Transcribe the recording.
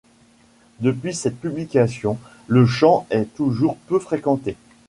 Depuis cette publication, le champ est toujours peu fréquenté.